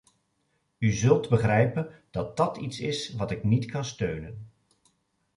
U zult begrijpen dat dat iets is wat ik niet kan steunen.